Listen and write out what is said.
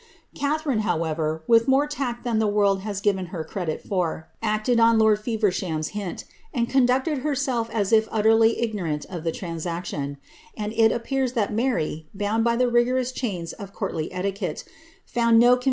Gatharine, however, with more tact than the world has given her credit for, acted on lord Feversham''s hint, and conducted herself as if utterly ignorant of the transaction ; and it appears that Mary, bound by the rigorous chains of courtly etiquette, found no convenient opportunity ^ Diary of lord Clarendon, vol.